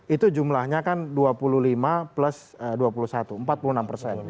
itu jumlahnya kan dua puluh lima plus dua puluh satu